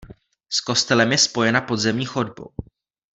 S kostelem je spojena podzemní chodbou.